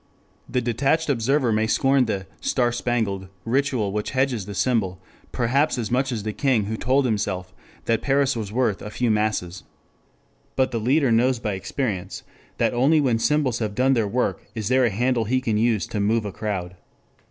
The detached observer may scorn the "star spangled" ritual which hedges the symbol, perhaps as much as the king who told himself that Paris was worth a few masses. But the leader knows by experience that only when symbols have done their work is there a handle he can use to move a crowd.